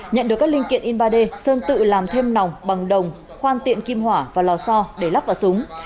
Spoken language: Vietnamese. nhận được các linh kiện in ba d sơn tự làm thêm nòng bằng đồng khoan tiện kim hỏa và lò so để lắp vào súng